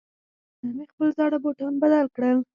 نن مې خپل زاړه بوټان بدل کړل.